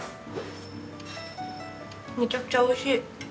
めちゃくちゃ美味しい。